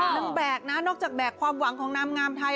แบกนะนอกจากแบกความหวังของนางงามไทย